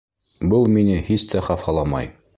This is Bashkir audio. Был мине һис тә хафаламай.